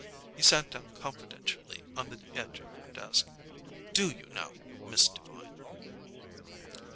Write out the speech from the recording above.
He sat down confidentially on the edge of her desk. "Do you, now, Miss Devine?"